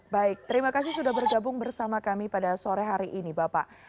baik terima kasih sudah bergabung bersama kami pada sore hari ini bapak